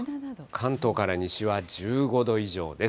関東から西は１５度以上です。